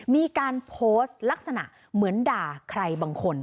มีการโพสต์ลักษณะเหมือนด่าใครบางคน